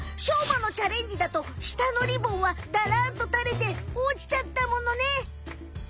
しょうまのチャレンジだと舌のリボンはダランとたれておちちゃったものね。